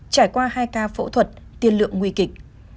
trải qua hai ca phẫu thuật tiên lượng nguy kịch